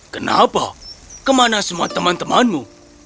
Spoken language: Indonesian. kenapa kemana semua teman temanmu